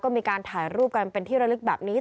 ก็มีการถ่ายรูปกันเป็นที่ระลึกแบบนี้